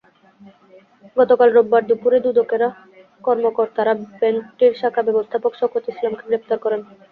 গতকাল রোববার দুপুরে দুদকের কর্মকর্তারা ব্যাংকটির শাখা ব্যবস্থাপক শওকত ইসলামকে গ্রেপ্তার করেন।